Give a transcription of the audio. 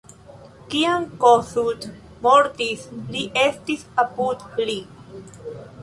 Kiam Kossuth mortis, li estis apud li.